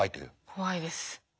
怖いです。